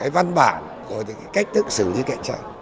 văn bản của cái cách thức xử như cạnh tranh